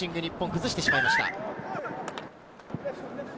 崩してしまいました。